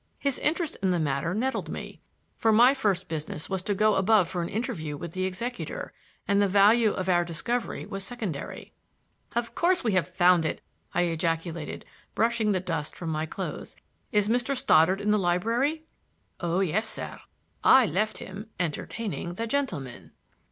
His interest in the matter nettled me; for my first business was to go above for an interview with the executor, and the value of our discovery was secondary. "Of course we have found it!" I ejaculated, brushing the dust from my clothes. "Is Mr. Stoddard in the library?" "Oh, yes, sir; I left him entertaining the gentlemen."